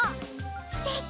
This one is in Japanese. すてき！